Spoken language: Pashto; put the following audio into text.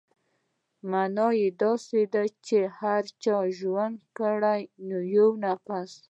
مانا يې داسې ده چې چا چې ژوندى کړ يو نفس.